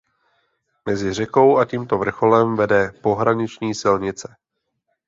Mezi řekou a tímto vrcholem vede pohraniční silnice.